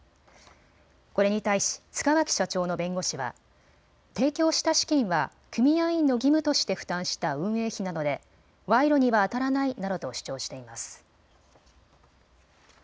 これに対し塚脇社長の弁護士は提供した資金は組合員の義務として負担した運営費なので賄賂にはあたらないなどと主張しています。